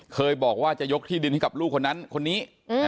เคยบอกว่าจะยกที่ดินให้กับลูกคนนั้นคนนี้